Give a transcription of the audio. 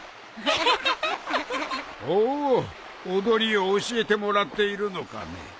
踊りを教えてもらっているのかね？